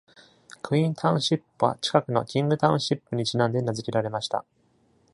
クイーンタウンシップは、近くのキングタウンシップにちなんで名付けられました。